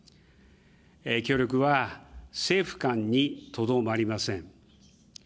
協力は政府間にとどまりません。